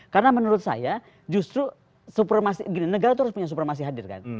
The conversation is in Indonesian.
karena menurut saya justru negara itu harus punya supremasi hadir kan